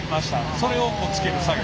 それをつける作業。